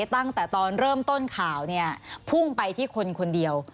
ตั้งแต่ตอนเริ่มต้นข่าวเนี่ยพุ่งไปที่คนคนเดียว